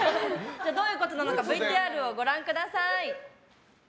どういうことかＶＴＲをご覧ください。